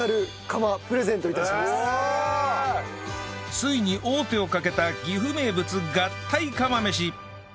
ついに大手をかけた岐阜名物合体釜飯